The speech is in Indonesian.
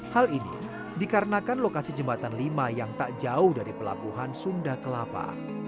hal ini dikarenakan lokasi jembatan lima yang tak jauh dari pelabuhan sunda kelapa